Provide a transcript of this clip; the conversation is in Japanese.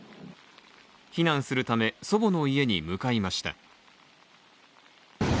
避難するため、祖母の家に向かいました。